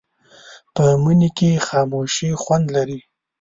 په مني کې خاموشي خوند لري